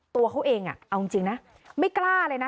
ตัวเขาเองเอาจริงนะไม่กล้าเลยนะ